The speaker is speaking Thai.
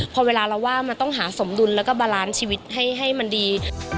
พอเวลาเราว่ามันต้องหาสมดุลแล้วก็บาลานซ์ชีวิตให้มันดี